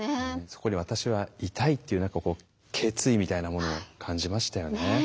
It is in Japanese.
そこに私はいたいっていう何かこう決意みたいなものを感じましたよね。